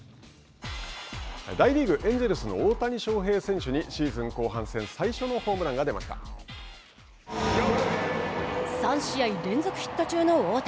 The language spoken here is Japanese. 大リーグエンジェルスの大谷翔平選手にシーズン後半戦３試合連続ヒット中の大谷。